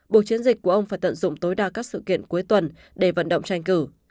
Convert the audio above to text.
buộc chiến dịch của ông phải tận dụng tối đa các sự kiện cuối tuần để vận động tranh cử